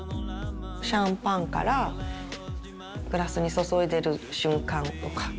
シャンパンからグラスに注いでる瞬間とか。